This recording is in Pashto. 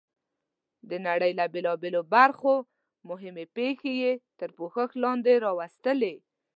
د نړۍ له بېلابېلو برخو مهمې پېښې یې تر پوښښ لاندې راوستلې.